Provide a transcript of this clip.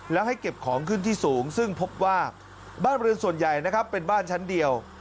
แล้วให้เก็บของขึ้นที่สูงซึ่งพบว่าบ้านเรือนส่วนใหญ่นะครับเป็นบ้านชั้นเดียว